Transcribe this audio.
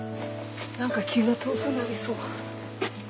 何か気が遠くなりそう。